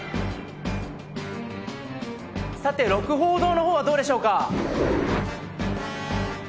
さて鹿楓堂のほうはどうでしょうか？